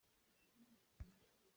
Kan caw nih a hri a chah.